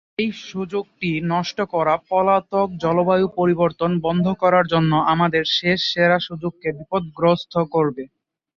এই সুযোগটি নষ্ট করা পলাতক জলবায়ু পরিবর্তন বন্ধ করার জন্য আমাদের শেষ সেরা সুযোগকে বিপদগ্রস্ত করবে।